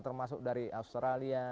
termasuk dari australia